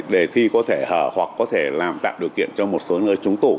đề thi có thể hở hoặc có thể làm tạo điều kiện cho một số người trúng tủ